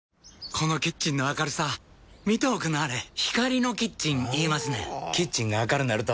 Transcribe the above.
このキッチンの明るさ見ておくんなはれ光のキッチン言いますねんほぉキッチンが明るなると・・・